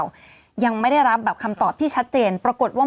ยังไม่ได้รับแบบคำตอบที่ชัดเจนปรากฏว่า